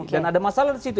dan ada masalah disitu